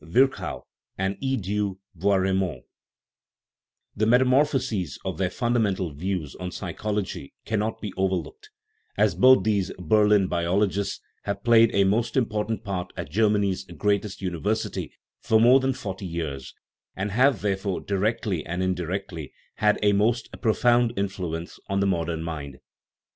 Virchow and E. du Bois Reymond ; the metamor phoses of their fundamental views on psychology can not be overlooked, as both these Berlin biologists have played a most important part at Germany's greatest university for more than forty years, and have, there fore, directly and indirectly, had a most profound in fluence on the modern mind.